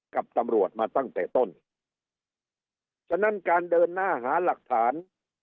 กับตำรวจมาตั้งแต่ต้นฉะนั้นการเดินหน้าหาหลักฐาน